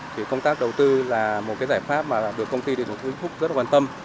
thì công tác đầu tư là một giải pháp mà được công ty điện tử hứng thúc rất quan tâm